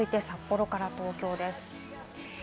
続いて札幌から東京です。